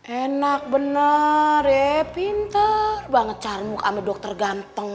enak bener ya pinter banget caranya mau ambil dokter ganteng